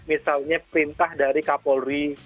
misalnya perintah dari kapolri